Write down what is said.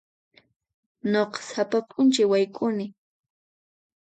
Nuqa sapa p'unchay wayk'uni.